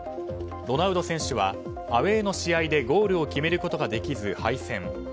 ロナウド選手はアウェーの試合でゴールを決めることができず敗戦。